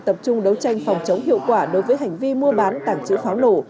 tập trung đấu tranh phòng chống hiệu quả đối với hành vi mua bán tảng chữ pháo nổ